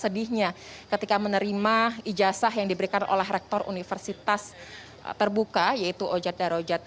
sedihnya ketika menerima ijazah yang diberikan oleh rektor universitas terbuka yaitu ojat dar ojat